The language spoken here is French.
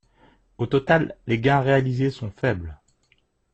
Au total, les gains réalisés sont faibles.